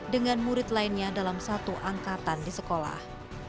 dengan murid lainnya dalam satu angkatan di sekolah